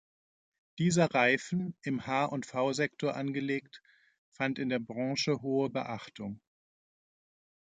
Dieser Reifen, im H- und V-Sektor angelegt, fand in der Branche hohe Beachtung.